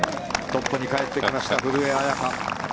トップに帰ってきました古江彩佳。